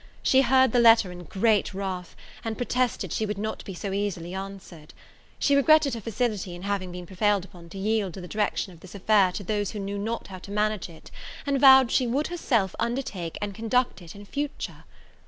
She heard the letter in great wrath, and protested she would not be so easily answered; she regretted her facility in having been prevailed upon to yield the direction of this affair to those who knew not how to manage it, and vowed she would herself undertake and conduct it in future.